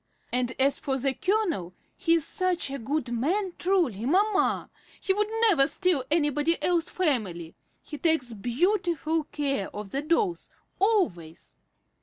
"And as for the colonel, he is such a good man, truly, mamma! He would never steal anybody else's family! He takes beau tiful care of the dolls, always."